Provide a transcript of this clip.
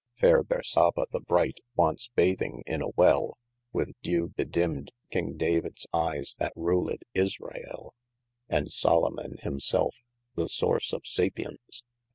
FAire Bersabe the bright once bathing in a Well, With dewe bedimmd King Davids eies that ruled Israeli. And Salomon him selfe, the source of sapience.